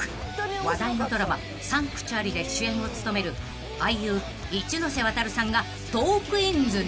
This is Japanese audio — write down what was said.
［話題のドラマ『サンクチュアリ』で主演を務める俳優一ノ瀬ワタルさんが『トークィーンズ』に］